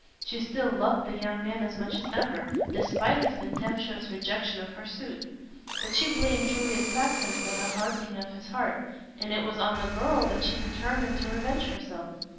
She still loved the young man as much as ever, despite his contemptuous rejection of her suit. But she blamed Juliet Saxon for the hardening of his heart, and it was on the girl that she determined to revenge herself.